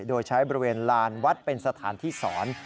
โดยใช้บริเวณลานวัดเป็นสถานที่สอน